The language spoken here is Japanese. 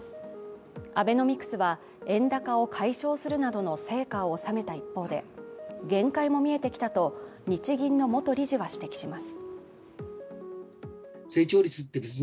アベノミクスは円高を解消するなどの成果を収めた一方で限界も見えてきたと日銀の元理事は指摘します。